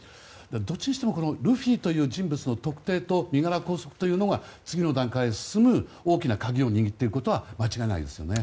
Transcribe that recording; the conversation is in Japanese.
どっちにしてもこのルフィという人物の特定と身柄拘束というのが次の段階に進む大きな鍵を握っていることは間違いないですね。